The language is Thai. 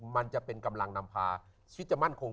มันจะเป็นกำลังนำพาชีวิตจะมั่นคง